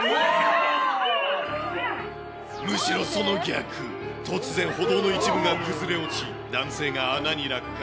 むしろその逆、突然歩道の一部が崩れ落ち、男性が穴に落下。